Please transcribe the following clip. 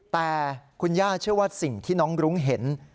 แต่คุณย่าเชื่อว่าสิ่งที่น้องรุ้งเห็น